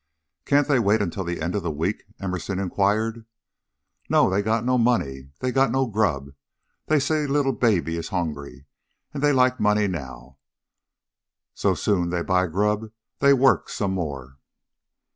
"Can't they wait until the end of the week?" Emerson inquired. "No! They got no money they got no grub. They say little baby is hongry, and they like money now. So soon they buy grub, they work some more."